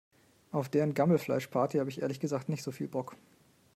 Auf deren Gammelfleischparty habe ich ehrlich gesagt nicht so viel Bock.